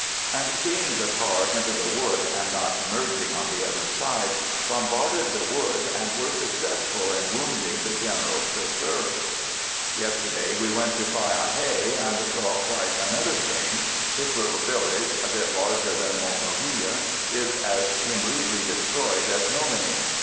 and seeing the car enter the wood and not emerging on the other side, bom barded the wood, and were successful in wounding the General's chauffeur. Yesterday we went to Fey en Haye, and we saw quite another thing. This lit tle village, a bit larger than Montauville, is as completely destroyed as Nomeny.